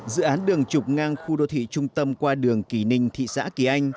dự án đường trục ngang khu đô thị trung tâm qua đường kỳ ninh thị xã kỳ anh